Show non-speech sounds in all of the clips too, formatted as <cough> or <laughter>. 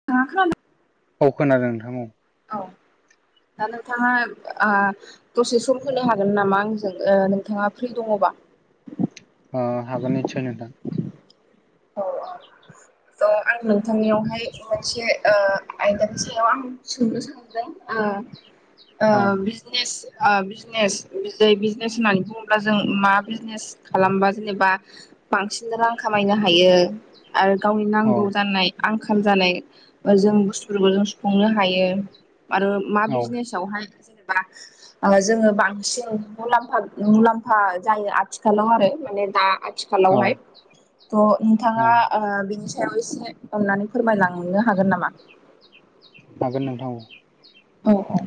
<unintelligible> औ खोनादों नोंथां औ औ दा नोंथाङा ओ दसे सम होनो हागोन नामा आंजों ओ नोंथाङा फ्रि दङबा? अ हागोन निसय नोंथां औ औ थ' आं नोंथांनियावहाय मोनसे ओ आयदानि सायाव आं सोंनो सानदों ओ ओ औ बिजनेस ओ बिजनेस बि बिजनेस होननानै बुङोब्ला जों मा बिजनेस खालामबा जेनेबा बांसिन रां खामायनो हायो आरो गावनि औ नांगौ जानाय आंखाल जानाय जों बुस्थुफोरखौ जों सुफुंनो हायो आरो मा औ बिजनेसावहाय जेनेबा ओ जोङो बांसिन मुलाम्फा मुलाम्फा जायो आथिखालाव आरो माने दा औ थिखालावहाय थ' औ नोंथाङा ओ बिनि सायाव एसे अननानै फोरमायलांनो हागोन नामा? हागोन नोंथां औ औ औ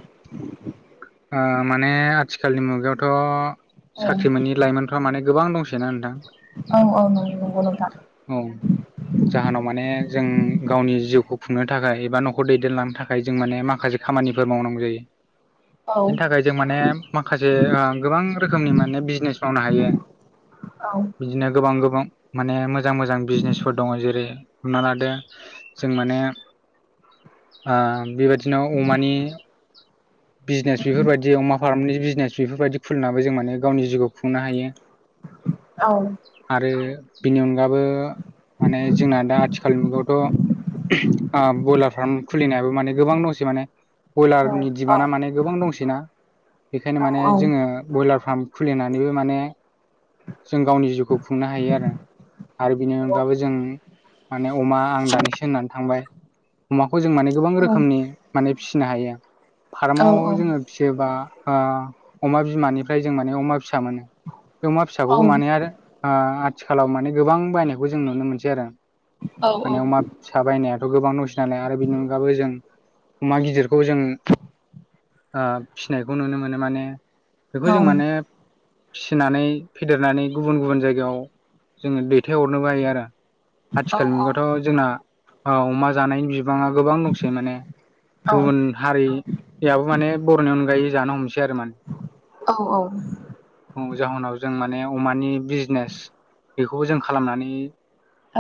ओ माने आथिखालनि मुगायावथ' औ साख्रि मोनै लाइमोन माने गोबां दंसैना नोंथां औ औ नंगौ नंगौ नोंथां औ जाहोनाव माने जों गावनि जिउखौ खुंनो थाखाय एबा न'खौर दैदेनलांनो थाखाय जों माने माखासे खामानिफोर मावनांगौ जायो <inaudible> बिनि थाखाय जों माने माखासे ओ गोबां रोखोमनि माने बिजनेस मावनो हायो। औ। बिदिनो गोबां गोबां माने मोजां मोजां बिजनेसफोर दङ जेरै हमना लादो जों माने ओ बेबायदिनो अमानि औ बिजनेस बेफोरबायदि अमा फार्मनि बिजनेस बेफोरबायदि खुलिनाबो जों माने गावनि जिउखौ खुंनो हायो औ आरो बेनि अनगाबो माने जोंना दा आथिखाल मुगायावथ' ओ ब्रयलार फार्म खुलिनायाबो माने गोबां दंसै माने बयलारनि दिमान्डआ माने गोबां दंसैना बेखायनो माने जोङो ओ ब्रयलार फार्म खुलिनानैबो माने जों गावनि जिउखौ खुंनो हायो आरो। आरो बिनि अनगाबो जों माने अमा आं दानिसो होननानै थांबाय। अमाखौ जों माने गोबां रोखोमनि माने फिसिनो हायो। फार्माव जोङो फिसियोबा ओ अमा बिमानिफ्राय जों माने अमा फिसा मोनो अमा फिसाखौबो माने आरो ओ आथिखालाव माने गोबां बायनायखौ जों नुनो मोनसै आरो माने अमा फिसा बायनायाथ' गोबां दंसै नालाय आरो बिनि अनगाबो जों अमा गिदिरखौ जों ओ फिसिनायखौ नुनो मोनो माने बेखौ जों माने फिसिनानै फेदेरनानै गुबुन गुबुन जायगायाव जोङो दैथायहरनोबो हायो आरो। आथिखाल मुगाथ' जोंना ओ अमा जानायनि बिबाङा गोबां दंसै माने गुबुन हारियाबो माने बर'नि अनगायै जानो हमसै आरो माने औ औ औ जाहोनाव जों माने अमानि बिजनेस बेखौबो जों खालामनानै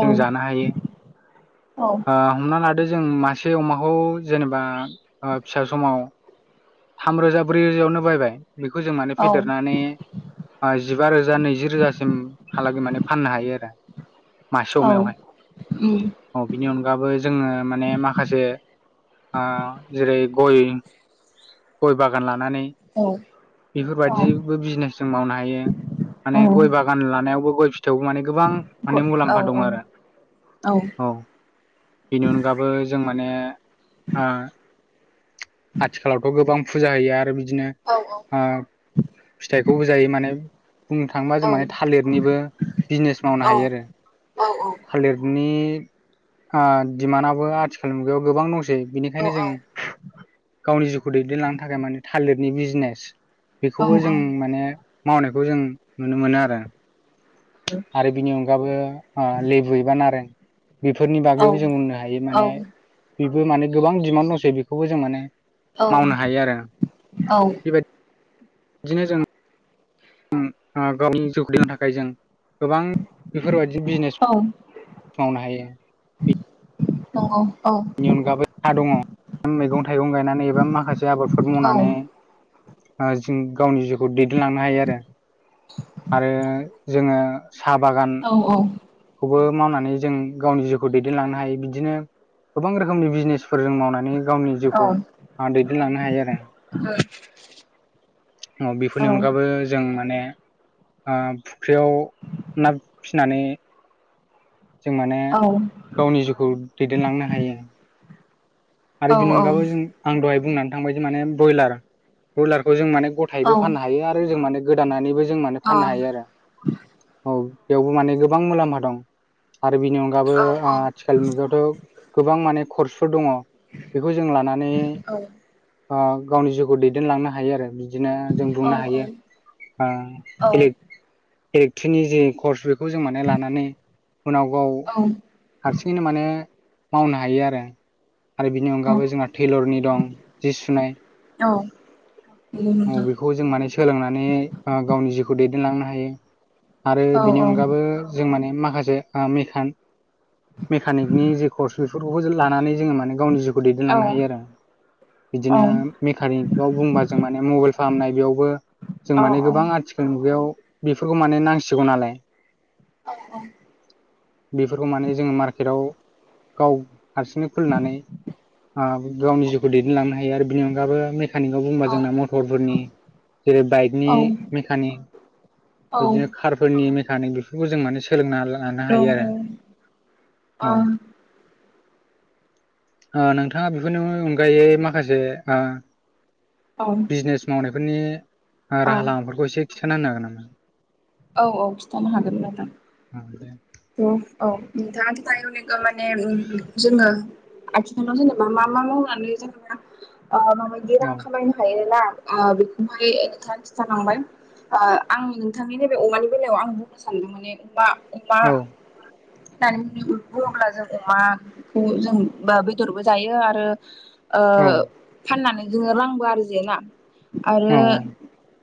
जों जानो हायो ओ हमना लाद रो जों मासे अमाखौ जेनेबा ओ फिसा समाव थाम रोजा ब्रै रोजायावनो बायबाय बेखौ जों माने फेदेरनानै जिबा रोजा नैजि रोजासिमहालागै माने फाननो हायो आरो। मासे औ अमायावहाय उम औ बिनि अनगाबो जोङो माने माखासे ओ जेरै गय गय बागान लानानै औ बेफोरबायदिबो बिजनेस जों मावनो हायो माने गय बा गान लानायावबो गय फिथाइावबो माने गोबां औ माने मुलाम्फा दं आरो औ। बेनि अनगाबबो जों माने ओ आथिखालावथ' गोबां फुजा हैयो आरो बिदिनो औ औ ओ फिथाइखौबो जायो माने बुंनो थाङोबा जों माने थालिरनिबो बिजनेस मावनो हायो आरो। औ औ थालिरनि ओ दिमानआबो आथिखाल मुगायाव गोबां दंसै बिनिखायनो जों गावनि जिउखौ दैदेनलांनो थाखाय माने थालिरनि बिजनेस बेखौबो जों माने मावनायखौ जों नुनो मोनो आरो। औ आरो बिनि अनगाबो ओ लेबु एबा नारें बेफोरनि बागैबो जों बुंनो हायो माने बेबो माने गोबां डिमान्ड दंसै बेखौबो जों माने मावनो हायो आरो बेबायदि बिदिनो जों ओं ओ गावनि जिउ खदनो थाखाय जों गोबां बेफोरबायदि बिजनेस मावनो हायो। औ औ औ बेनि अनगाबो हा दङ मैगं थाइगं गायनानै एबा माखासे आबादफोर औ मावनानै जों गावनि जिउखौ दैदेनलांनो हायो आरो आरो जोङो साहा औ बागान औ औ औ खौबो मावनानै जों गावनि जिउखौ दैदेनलांनो हायो बिदिनो गोबां रोखोमनि बिजनेसफोर जों मावनानै गावनि जिउखौ ओ दैदेनलांनो हायो आरो। औ औ बेफोरनि अनगाबबो जों माने ओ फुख्रियाव ना फिनानै जों माने गावनि जिउखौ दैदेनलांनो हायो। आरो बिनि अनगाबो जों आं दहाय बुंनानै थांबाय जे माने बयलार बयलारखौ जों माने ग थायैबो फाननो हायो आरो जों माने गोदानानानैबो जों माने फाननो हायो आरो। औ बेयावबो माने गोबां मुलाम्फा दं आरो बिनि अनगाबो ओ आथि हेलमेटआवथ' गोबां माने कर्सफोर दङ <unintelligible> बेखौ जों लानानै ओ गावनि जिउखौ दैदेनलांनो हायो आरो बिदिनो जों औ बुंनो औ हायो ओ औ <unintelligible> एक्टिनि जे कर्स बेखौ जों माने लानानै उनाव गाव औ हारसिङैनो माने मावनो हायो आरो। आरो बिनि औ अनगाबबो जोंना टेलरनि दं जि सुनाय नंगौ बेखौ नोंथां बेखौ जों माने सोलोंनानै गावनि जिउखौ दैदेनलांनो हायो आरो औ बिनि अनगाबो जों माने माखासे मेकान मेकानिकनि जे कर्स बेफोरखौबो जों लानानै जोङो माने गावनि जिउखौ औ दैदेनलांनो हायो आरो। बिदिनो औ मेकानिकआव बुंबा जों माने मबाइल फाहामनाय बेयावबो जों औ माने गोबां आथिखाल मुगायाव बेफोरखौ माने नांसिगौ नालाय। औ औ बेफोरखौ माने जोङो मार्केटाव गाव हारसिंनो खुलिनानै आ गावनि जिउखौ दैदेनलांनो हायो आरो बिनि अनगाबबो मे मेकानिकआव बुंबा जोंना मटरफोरनि जेरै औ बाइकनि मेकानिक औ बिदिनो कारफोरनि मेकानिक बेफोरखौ जों माने सोलोंना लानो हायो आरो औ <inaudible> ओ नोंथाङा बेफोरनि अनगायै माखासे ओ औ बिजनेस मावनायफोरनि राहा लामाफोरखौ एसे खिन्था होनो हागोन नामा? औ औ खिन्थानो हागोन नोंथां। औ दे थ औ <unintelligible> माने जोङो आथिखालाव जेनेबा मा मा मावनानै जेनेबा ओ माबायदि रां औ खामायनो हायोना ओ बेखौहाय नोंथाङा खिन्थालांबाय ओ आं नोंथांनि नैबे अमानि बेलायाव आं बुंनो सानदों माने अमा अमा औ दानि <unintelligible> अमा जों अमाखौ जों बा बेदरबो जायो आरो ओ औ फाननानै जोङो रांबो आरजियो ना औ आरो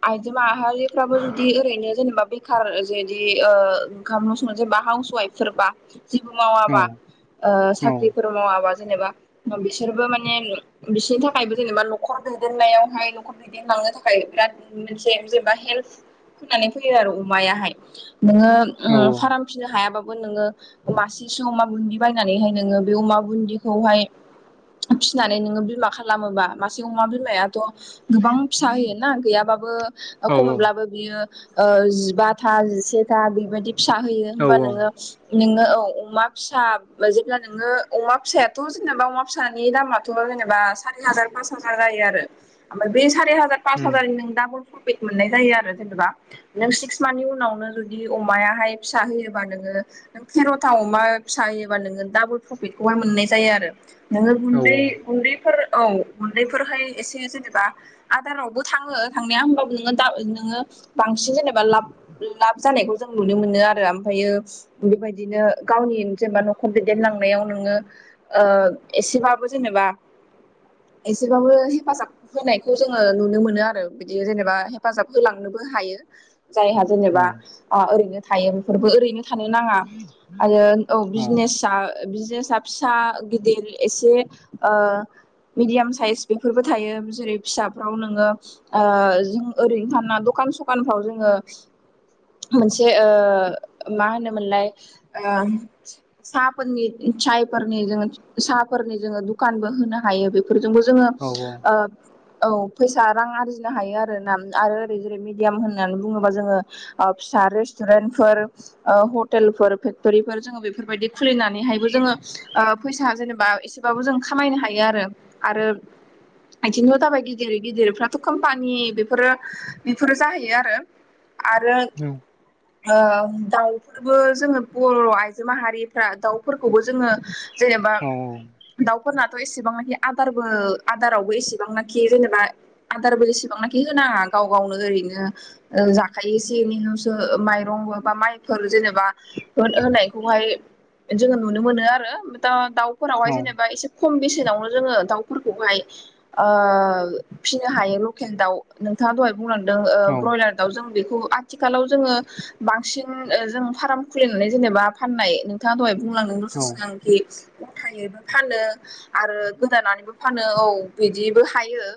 आइजो माहारिफ्राबो जुदि ओरैनो जेनेबा बेखार जुदि ओ जुदि ओंखामल' सं जेनेबा हाउस वाइफफोरबा जेबो औ मावाबा ओ औ साख्रिफोर मावाबा जेनेबा बिसोरबो माने बिसोरनि थाखायबो जेनेबा न'खर दैदेननायावहाय न'खर दैदेनलांनो थाखाय बिराद मोनसे जेनेबा हेल्फ होनानै फैयो आरो अमायाहाय नोङो औ फाराम फिनो हायाबाबो नोङो मासेसो अमा बुन्दि बायनानैहाय नोङो बे अमा बुन्दिखौहाय फिनानै नोङो बिमा खालामोबा मासे अमा बिमायाथ' गोबां फिसा होयोना गैयाबाबो औ खमैब्लाबो बियो ओ जिबाथा जिसे था बेबायदि फिसा होयो औ होमबा नोङो नोङो औ अमा फिसा जेब्ला नोङो अमा फिसायाथ' जेनेबा अमा फिसानि दामा जेनेबा सारि हाजार पास हाजार जायो आरो ओमफ्राय बेै सारि हाजार पास उम हाजारनि नों दाबल प्रफिट मोननाय जायो आरो जेनेबा नों सिक्स मान्नि उनावनो जुदि अमायाहाय फिसा होयोबा नोङो नों थेर'था अमा फिसा होयोबा नोङो दाबोल प्रफिटखौहाय मोननाय जायो आरो। नोङो औ गुन्दै गुन्दैफोर औ गुन्दैफोरहाय एसे जेनेबा आदारावबो थाङो थांनाया होबाबो नोङो नोङो बांसिन जेनेबा बा लाब लाब जानायखौ जों नुनो मोनो आरो ओम फायो बेबायदिनो गावनि जेनेबा न'खर दैदेनलांनायाव नोङो एसेबाबो जेनेबा एसेबाबो हेफाजाब होनायखौ जोङो नुनो मोनो आरो बिदि जेनेबा हेफाजाब होलांनोबो हायो जायहा औ जेनेबा ओरैनो थायो बेफोरबो ओरैनो थानो नाङा आरो औ बिजनेस बिदिनोसा फिसा गिदिर एसे मिदियाम साइस बेफोरबो थायो जेरै फिसाफ्राव नोङो ओ जों ओरैनो थाना दखान सखानफ्राव जोङो मोनसे ओ मा होनोमोनलाय ओ साहाफोरनि सायफोरनि जोङो साहाफोरनि जोङो दुखानबो होनो हायो बे फोरजोंबो जोङो औ ओ औ फैसा रां आरजिनो हायो आर ना आरो ओरै जेरै मिडियाम होननानै बुङोबा जोङो फिसा रेस्ट'टुरेन्टफोर हटेलफोर फेक्ट'रिफोर जोङो बेफोरबायदि खुलिनानैहायबो जोङो फैसा जेनेबा एसेबाबो जों खामायनो हायो आरो। आरो आदिंबो जाबाय गिदिर गिदिरफ्राथ' कम्पानि बेफोरो बेफोरो जाहैयो आरो। आरो उम दाउफोरबो जोङो बर' आइजो माहारिफ्रा दाउफोरखौबो जोङो जेनेबा दाउफोरना थ' एसेबांनाखि आदारबो आदारावबो एसेबांनाखि जेनेबा आदारबो एसेबांनाखि होनाङा गाव गावनो ओरैनो जाखायोसे एैनावसो माइरंबो बा माइ फोर जेनेबा होनायखौहाय जोङो नुनो मोनो आरो दा दाउ फोरावहाय जेनेबा एसे खम बेसेनावनो जोङो दाउफोरखौहाय फिसिनो हायो लकेल दाउ नोंथाङा दहाय बुंलांदों। ओ औ ब्रयलार दाउ आथिलाव जोङो बांसिन जों फार्म खुलिनानै जेनेबा फाननाय नोंथाङा दहाय बुंलांदों दसे सिगां खि गथायैबो फानो। आरो गोदानानैबो फानो औ बिदिबो हायो।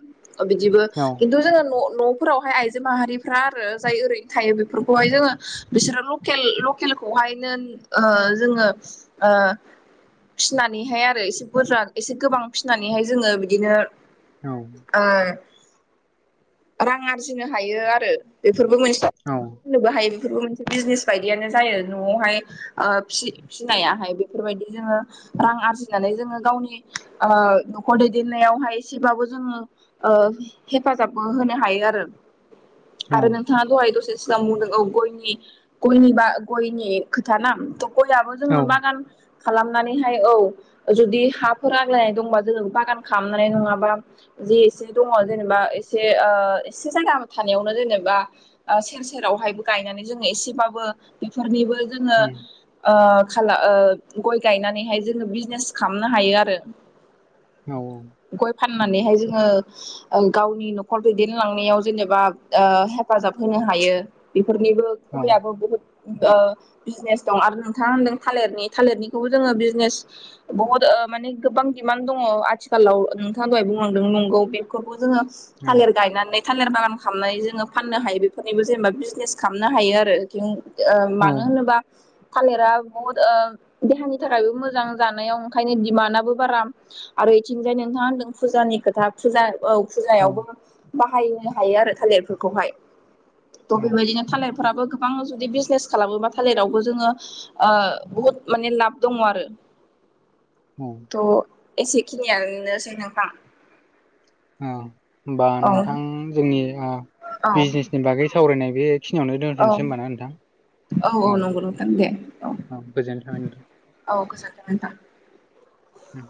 बिदिबो खिन्थु जोंना न' न' फोरावहाय आइजो माहारिफ्रा आरो जाय ओरैनो थायो बेफोरखौहाय जोङो बिसोरो लकेल लकेलखौहायनो जोङो फिनानैहाय आरो एसे बुरजा एसे गोबां फिसिनानैहाय जोङो बिदिनो औ। रां आरजिनो हायो आरो। बेफोरबो मोनसे फनोबो हायो बेफोरबो मोनसे बिजनेस बायदियानो जायो न'आवहाय फिनायाहाय बेफोरबायदि जोङो रां आरजिनानै जोङो गावनि न'खर दैदेननायावहाय एसेबाबो जोङो हेफाजाबबो होनो हायो आरो। औ औ आरो नोंथाङा दहाय दसे सिगां बुंदों औ गयनि गयनि बा गयनि खोथा ना गयाबो जोङो बागान खालामनानैहाय औ जुदि हाफोर आग्लायनाय दंबा जोङो बागान खालामनानै नङाबा जि एसे दङ जेनेबा एसे एसे जायगा थानायावनो जेनेबा सेर सेरावहायबो गायनानै जोङो एसेबाबो बेफोरनिबो जोङो उम खालाम गय गायनानैहाय जोङो बिजनेस खालामनो हायो आरो। औ औ। गय फाननानैहाय जोङो गावनि न'खर दैदेनलांनायाव जेनेबा हेफाजाब होनो हायो। बेफोरनिबो औ गयाबो बहुत बिजनेस दं आरो नोंथाङा होनदों थालिरनि थालिरनिखौबो जोङो बिजनेस बहुद माने गोबां दिडिमान्ड दङ आथिखालाव नोंथाङा दहाय बुंनांदों नंगौ बेखौबो जोङो थालिर गायनानै थालिर बागान खालामनानै जोङो फाननो हायो बेफोरनिबो जेनेबा बिजनेस खालामनो हायो आरो। मानो होनोबा थालिरा बुहुत देहानि थाखायबो मोजां जानायाव ओंखायनो दिमान्डआबो बारा। आरो इथिंजाय नोंथाङा होनदों फुजानि खोथा फुजा औ फुजायावबो बाहायनो हायो आरो थालिरफोरखौहाय थ' औ बेबायदिनो थालिर फोराबो गोबां जुदि बिजनेस खालामोबा थालिरावबो जोङो बहुद माने लाब दङ आरो औ थ' एसेखिनियानोसै नोंथां औ होमबा औ नोंथां जोंनि औ बिजनेसनि बागै सावरायनाय बे खिनियावनो औ दोनथ'नोसै होनबा ना नोंथां औ औ गोजोननाय थाबाय नोंथां औ गोजोनथों नोंथां। उम